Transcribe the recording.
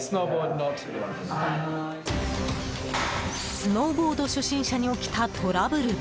スノーボード初心者に起きたトラブル。